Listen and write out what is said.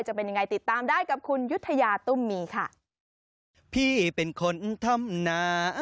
จะเป็นยังไงติดตามได้กับคุณยุทยาตุ้มมีค่ะ